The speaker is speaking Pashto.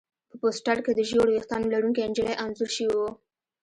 په پوسټر کې د ژېړو ویښتانو لرونکې نجلۍ انځور شوی و